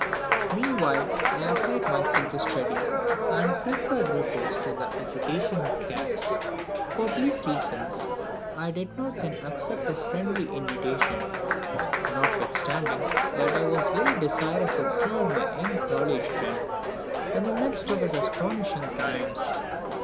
Meanwhile I applied myself to study, and preferred repose to the agitation of camps. For these reasons I did not then accept his friendly invitation, notwithstanding that I was very desirous of seeing my young college friend in the midst of his astonishing triumphs.